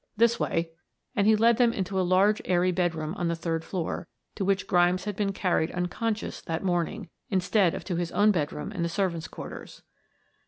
This way," and he led them into a large airy bedroom on the third floor, to which Grimes had been carried unconscious that morning, instead of to his own bedroom in the servants' quarters.